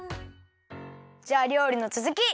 じゃありょうりのつづき！